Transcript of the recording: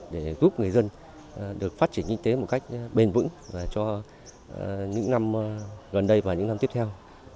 để giúp người dân được phát triển kinh tế một cách bền vững cho những năm gần đây và những năm tiếp theo